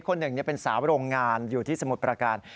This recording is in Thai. คนหนึ่งเป็นสาวโรงงานอยู่ที่สมุทรประการ